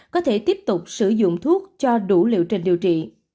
có thể tiếp tục sử dụng thuốc cho đủ liệu trình điều trị